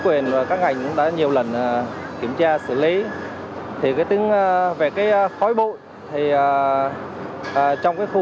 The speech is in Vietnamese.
chính quyền và các ngành cũng đã nhiều lần kiểm tra xử lý thì cái tính về cái khói bụi thì trong cái khu